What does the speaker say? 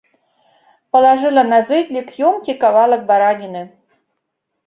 Палажыла на зэдлік ёмкі кавалак бараніны.